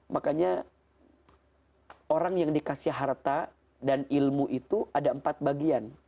makanya orang yang dikasih harta dan ilmu itu ada empat bagian